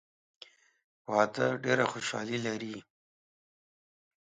واده ډېره خوشحالي لري.